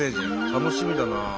楽しみだな。